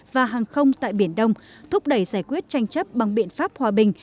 và hàng không tại biển đông thúc đẩy giải quyết tranh chấp bằng biện pháp hòa bình